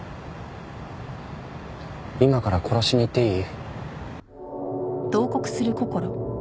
今から殺しに行っていい？